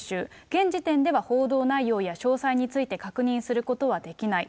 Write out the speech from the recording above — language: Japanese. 現時点では報道内容や詳細について確認することはできない。